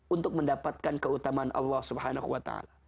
untuk mendapatkan keutamaan allah swt